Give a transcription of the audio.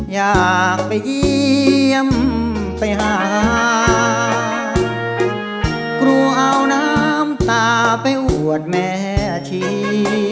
อยากไปเยี่ยมไปหากลัวเอาน้ำตาไปอวดแม่ชี